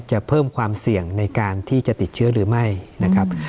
จะเพิ่มความเสี่ยงในการที่จะติดเชื้อหรือไม่นะครับ